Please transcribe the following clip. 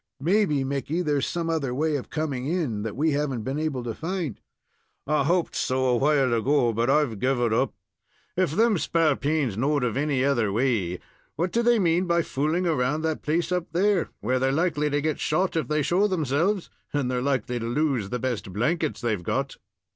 "Maybe, Mickey, there's some other way of coming in, that we haven't been able to find." "I hoped so a while ago, but I've guv it up. If them spalpeens knowed of any other way, what do they mean by fooling around that place up there, where they're likely to get shot if they show themselves, and they're likely to lose the best blankets they've got?"